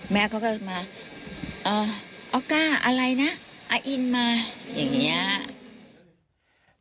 แม่เขาก็มาออกก้าอะไรนะอาอินมาอย่างเงี้ย